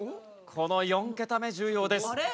この４桁目重要です。